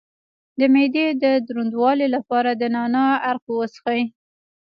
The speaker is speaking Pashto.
د معدې د دروندوالي لپاره د نعناع عرق وڅښئ